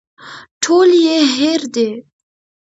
ټول يې هېر دي.